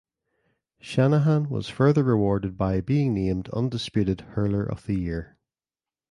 Shanahan was further rewarded by being named undisputed Hurler of the Year.